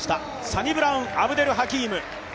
サニブラウン・アブデルハキーム。